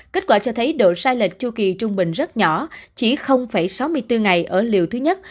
kết quả cho thấy độ sai lệch chu kỳ trung bình rất nhỏ chỉ sáu mươi bốn ngày ở liều thứ nhất